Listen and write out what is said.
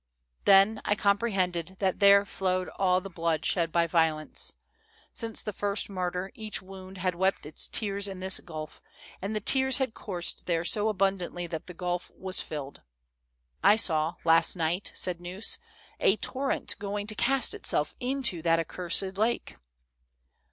"Then, I comprehended that there flowed all the blood shed by violence. Since the first murder, each THE soldiers' DREAMS. 289 wound had wept its tears in this gulf, and the tears had coursed there so abundantly that the gulf was filled." saw, last night," said Gneuss, "a torrent going to cast itself into that accursed lake."